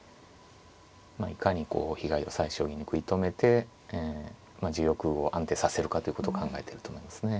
まあいかにこう被害を最小限に食い止めて自玉を安定させるかということを考えてると思いますね。